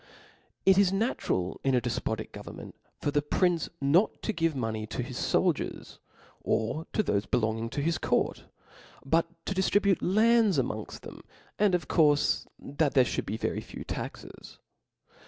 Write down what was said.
*♦ It is natural .in a defpotic government for the prince not to give money to his foldiers, or to thofe belonging to his court , but to diftribute lands amongft them, .and of coutfe, that there fliould be very few taxes.